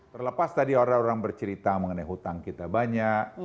terlepas tadi orang orang bercerita mengenai hutang kita banyak